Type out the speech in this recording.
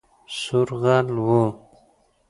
سور غل وو